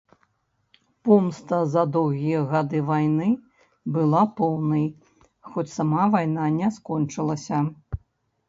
Помста за доўгія гады вайны была поўнай, хоць сама вайна не скончылася.